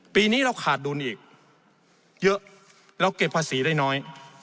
ปีนี้เราขาดดุลอีกเยอะเราเก็บภาษีได้น้อย